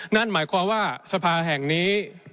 นั่นหมายความว่าสภาแห่งนี้